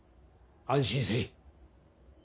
安心せい。